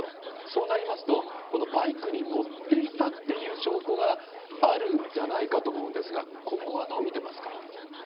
そうなりますと、このバイクに乗っていたという証拠があるんじゃないかと思うんですが、ここはどう見てますか？